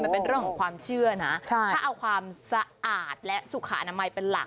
มันเป็นเรื่องของความเชื่อนะถ้าเอาความสะอาดและสุขอนามัยเป็นหลัก